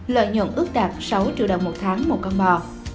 lợi nhuận ước đạt sáu triệu đồng một tháng một con bò